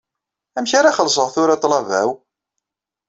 Amek ara xellseɣ tura ṭṭlaba-w?